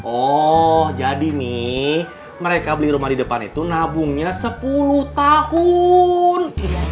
oh jadi nih mereka beli rumah di depan itu nabungnya sepuluh tahun